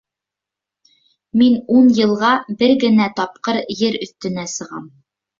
— Мин ун йылға бер генә тапҡыр ер өҫтөнә сығам.